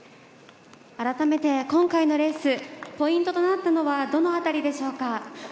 改めて今回のレースポイントとなったのはどの辺りでしょうか？